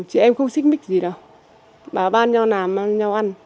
chị em không xích mít gì đâu bảo ban nhau làm ăn nhau ăn